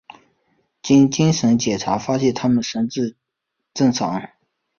经精神检查发现他们神智正常。